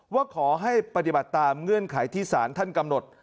ว่าขอให้ปฏิบัติตามเงื่อนไขที่สารท่านกำหนด